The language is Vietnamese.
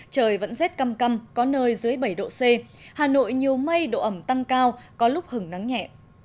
trời vẫn rét căm căm có nơi dưới bảy độ c hà nội nhiều mây độ ẩm tăng cao có lúc hứng nắng nhẹ